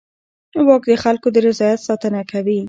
واک د خلکو د رضایت ساتنه کوي.